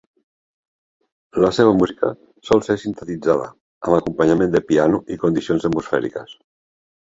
La seva música sol ser sintetitzada amb acompanyament de piano i condicions atmosfèriques.